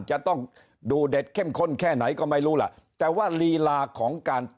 จะต้องดูเด็ดเข้มข้นแค่ไหนก็ไม่รู้ล่ะแต่ว่าลีลาของการ